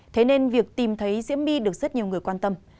thế nên việc tìm thấy diễm my được rất nhiều người quan tâm